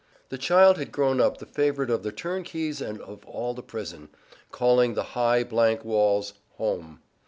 The child had grown up the favorite of the turnkeys and of all the prison, calling the high, blank walls "home."